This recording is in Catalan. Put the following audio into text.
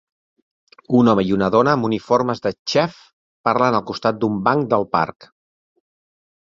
Un home i una dona amb uniformes de xef parlen al costat d'un banc del parc.